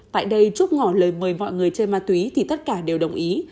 tại đây trúc ngỏ lời mời mọi người chơi ma túy thì tất cả đều đồng ý